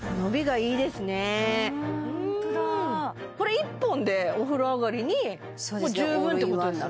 これ１本でお風呂上がりにもう十分ってことですよね